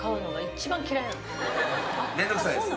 面倒くさいんですか？